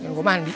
kan gue mandi